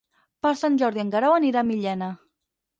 Per Sant Jordi en Guerau anirà a Millena.